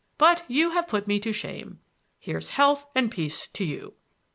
But you have put me to shame. Here's health and peace to you!"